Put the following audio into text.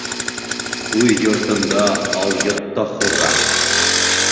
Үҙ йортонда алйот та хужа.